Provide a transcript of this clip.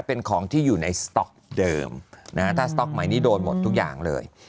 เป็นของที่อยู่ในสต๊อกเดิมนะฮะถ้าสต๊อกใหม่นี้โดนหมดทุกอย่างเลย